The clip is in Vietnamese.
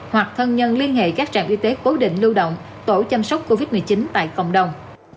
hoặc thân nhân liên hệ các trạm y tế cố định lưu động tổ chăm sóc covid một mươi chín tại cộng đồng